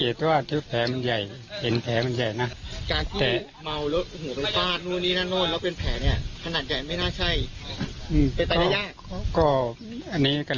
และแค่หมอพิสูจน์ดูก่อนนะ